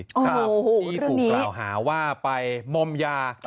ที่กลุ่มกล่าวหาว่าไปมมยา